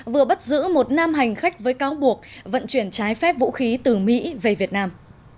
vừa bắt giữ một nam hành khách với cáo buộc vận chuyển trái phép vũ khí từ mỹ về việt nam